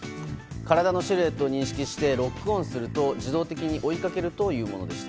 体のシルエットを認識してロックオンすると、自動的に追いかけるというものでした。